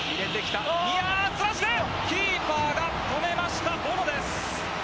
キーパーが止めましたボノです。